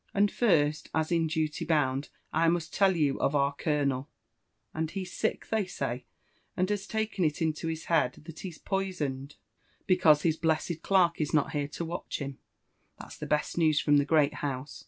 And, first, as in duty bound, I must tell you of our colo nel ; and he's sick, they say, and has taken it into his head that he's poisoned, because his blessed clerk is not here to watch him : that's the best news from the great house.